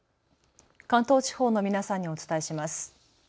関東地方の皆さんにお伝えします。